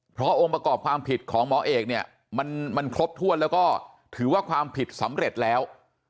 เพราะองค์ประกอบความผิดของหมอเอกเนี่ยมันครบถ้วนแล้วก็ถือว่าความผิดสำเร็จแล้ว